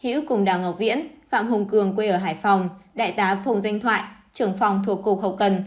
hữu cùng đào ngọc viễn phạm hùng cường quê ở hải phòng đại tá phùng danh thoại trưởng phòng thuộc cục hậu cần